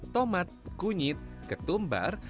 tomat kunyit ketumbar